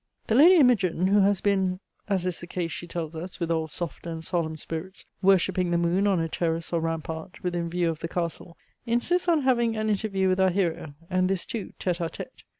The lady Imogine, who has been, (as is the case, she tells us, with all soft and solemn spirits,) worshipping the moon on a terrace or rampart within view of the Castle, insists on having an interview with our hero, and this too tete a tete.